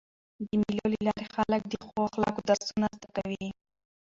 د مېلو له لاري خلک د ښو اخلاقو درسونه زده کوي.